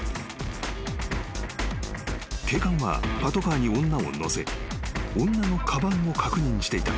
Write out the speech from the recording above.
［警官はパトカーに女を乗せ女のかばんを確認していた］